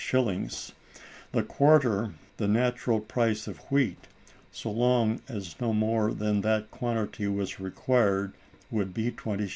_ the quarter, the natural price of wheat, so long as no more than that quantity was required, would be 20_s.